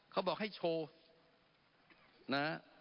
เขาบอกให้โชว์นะ